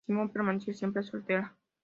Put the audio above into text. Simon permaneció siempre soltera.